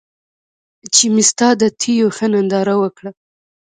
چې مې ستا د تېو ښه ننداره وکــړه